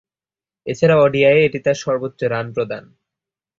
এছাড়াও ওডিআইয়ে এটি তার সর্বোচ্চ রান প্রদান।